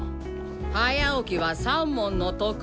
早起きは三文の徳！